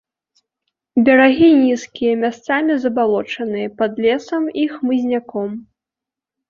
Берагі нізкія, месцамі забалочаныя, пад лесам і хмызняком.